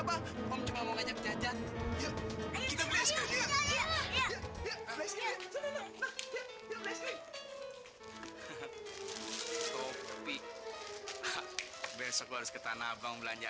sampai jumpa di video selanjutnya